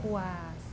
kedua itu puas